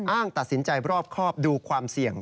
ตัดสินใจรอบครอบดูความเสี่ยง